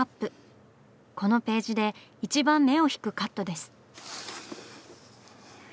このページで一番目を引くカットです。